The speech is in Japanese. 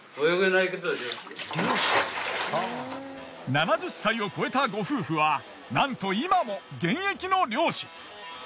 ７０歳を超えたご夫婦はなんと今も現役の漁師。